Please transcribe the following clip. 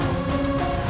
dan juga gunung ciremai